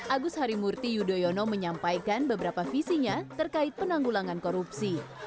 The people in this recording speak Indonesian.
agus harimurti yudhoyono menyampaikan beberapa visinya terkait penanggulangan korupsi